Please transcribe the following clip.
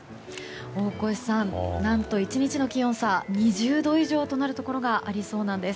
大越さん、何と１日の気温差２０度以上となるところがありそうです。